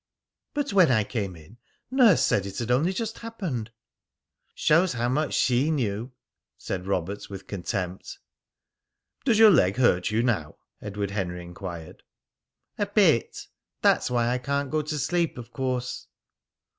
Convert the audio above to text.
"But when I came in Nurse said it had only just happened!" "Shows how much she knew!" said Robert, with contempt. "Does your leg hurt you now?" Edward Henry enquired. "A bit. That's why I can't go to sleep, of course."